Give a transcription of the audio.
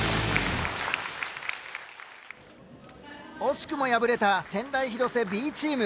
惜しくも敗れた仙台広瀬Ｂチーム。